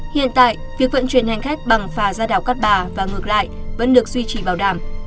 hiện tại việc vận chuyển hành khách bằng phà ra đảo cát bà và ngược lại vẫn được duy trì bảo đảm